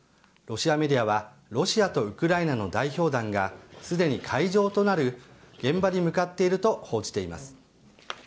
ロシアメディアはロシアとウクライナの代表団がすでに会場となる現場に向かっていると報じています。